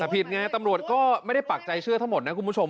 ผิดไงตำรวจก็ไม่ได้ปักใจเชื่อทั้งหมดนะคุณผู้ชม